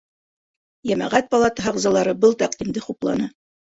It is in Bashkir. Йәмәғәт палатаһы ағзалары был тәҡдимде хупланы.